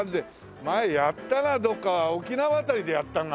前やったなどっか沖縄辺りでやったのか。